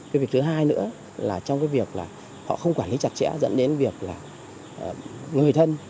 cái việc thứ hai nữa là trong cái việc là họ không quản lý chặt chẽ dẫn đến việc là người thân